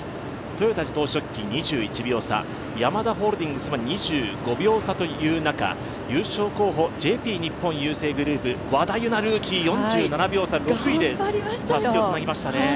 豊田自動織機２１秒差、ヤマダホールディングスは２５秒差という中、優勝候補、ＪＰ日本郵政グループ、和田有菜、ルーキーね４７秒差、６位でたすきをつなぎましたね。